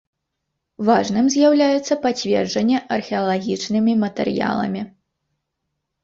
Важным з'яўляецца пацверджанне археалагічнымі матэрыяламі.